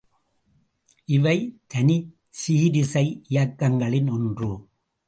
இவை தனிச்சீரிசை இயக்கங்களின் ஒன்று.